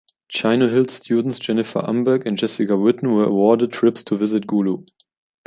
Chino Hills students Jennifer Umberg and Jessica Witten were awarded trips to visit Gulu.